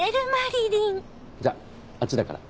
じゃああっちだから。